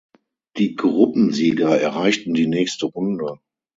Die Gruppensieger erreichten die nächste Runde.